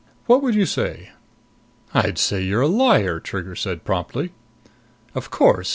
What would you say?" "I'd say you're a liar," Trigger said promptly. "Of course.